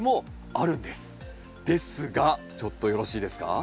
ですがちょっとよろしいですか？